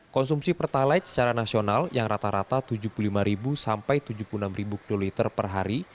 konsumsi pertalite secara nasional yang rata rata tujuh puluh lima sampai tujuh puluh enam kiloliter per hari